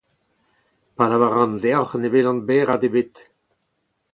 Pa lavaran deoc’h ne welan berad ebet.